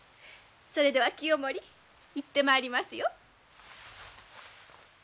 それでは清盛行ってまいりますよ。